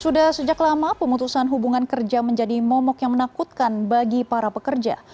sudah sejak lama pemutusan hubungan kerja menjadi momok yang menakutkan bagi para pekerja